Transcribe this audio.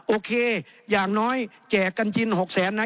โอเคอย่างน้อยแก่กันจิน๖๐๐๐๐๐นะ